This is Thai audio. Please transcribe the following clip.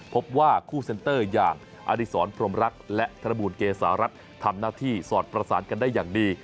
พบว่าคู่เซ็นเตอร์อย่างอดิษรพรมรักและธนบูลเกษารัฐทำหน้าที่สอดประสานกันได้อย่างดี